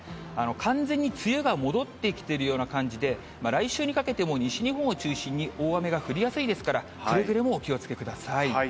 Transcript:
完全に梅雨が戻ってきているような感じで、来週にかけても西日本を中心に大雨が降りやすいですから、くれぐれもお気をつけください。